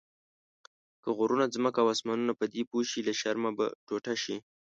که غرونه، ځمکه او اسمانونه پدې پوه شي له شرمه به ټوټه شي.